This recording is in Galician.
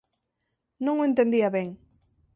Non o entendía ben.